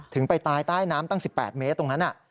ไปตายใต้น้ำตั้ง๑๘เมตรตรงนั้น